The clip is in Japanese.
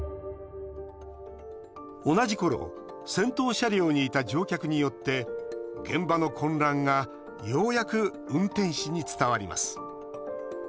同じころ、先頭車両にいた乗客によって、現場の混乱がようやく運転士に伝わります。